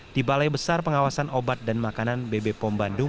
di balai besar pengawasan obat dan makanan bb pom bandung